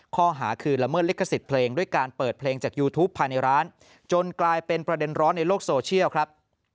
ข้อหาคือละเมิดลิขสิทธิ์เพลงด้วยการเปิดเพลงจากยูทูปภายในร้านจนกลายเป็นประเด็นร้อนในโลกโซเชียลครับ